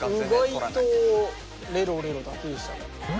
うがいとレロレロだけでしたね。